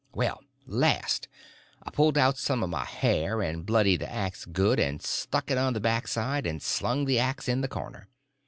Well, last I pulled out some of my hair, and blooded the axe good, and stuck it on the back side, and slung the axe in the corner.